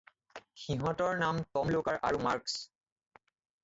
সিহঁতৰ নাম টম্ল'কাৰ, আৰু মাৰ্ক্স।